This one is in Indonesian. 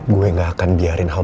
gue gak akan biarin hawa hawa